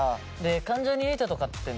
関ジャニ∞とかってなるとさ